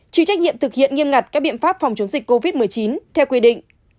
chịu trách nhiệm thực hiện nghiêm ngặt các biện pháp phòng chống dịch covid một mươi chín theo quy định